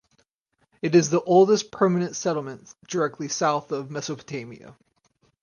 It is the oldest permanent settlement directly south of Mesopotamia.